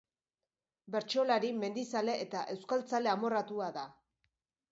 Bertsolari, mendizale eta euskaltzale amorratua da.